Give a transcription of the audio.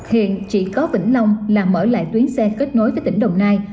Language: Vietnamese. hiện chỉ có vĩnh long là mở lại tuyến xe kết nối với tỉnh đồng nai